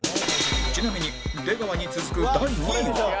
ちなみに出川に続く第２位は